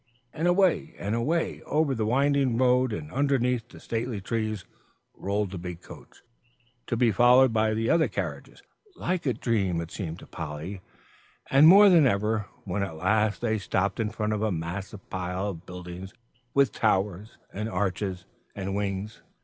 And away and away over the winding road and underneath the stately trees, rolled the big coach, to be followed by the other carriages, like a dream it seemed to Polly, and more than ever, when at last they stopped in front of a massive pile of buildings with towers and arches and wings.